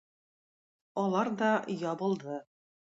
Алар да ябылды.